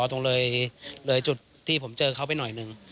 ตรงเลยเลยจุดที่ผมเจอเขาไปหน่อยหนึ่ง